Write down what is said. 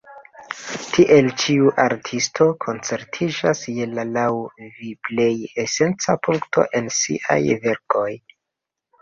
Tiel ĉiu artisto koncentriĝas je la laŭ vi plej esenca punkto en siaj verkoj.